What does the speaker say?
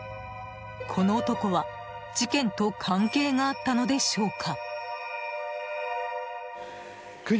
この男は事件と関係があったのでしょうか。